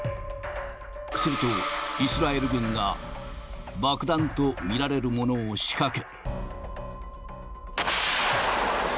するとイスラエル軍が爆弾と見られるものを仕掛け。